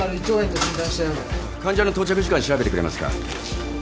患者の到着時間調べてくれますか？